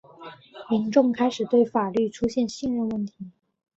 民众开始对法律出现信任问题。